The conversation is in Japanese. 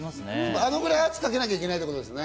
あのぐらい圧をかけなきゃいけないってことですね。